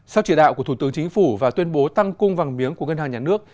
sau chỉ đạo của thủ tướng chính phủ và tuyên bố tăng cung vàng miếng của ngân hàng nhà nước